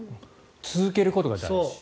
続けることが大事。